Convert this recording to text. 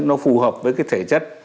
nó phù hợp với cái thể chất